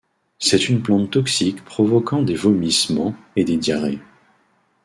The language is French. C'est une plante toxique provoquant des vomissements et des diarrhées.